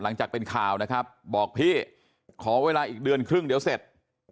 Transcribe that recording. หลังจากเป็นข่าวนะครับบอกพี่ขอเวลาอีกเดือนครึ่งเดี๋ยวเสร็จ